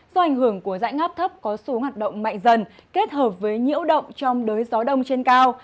cường của dãy ngáp thấp có số hoạt động mạnh dần kết hợp với nhiễu động trong đới gió đông trên cao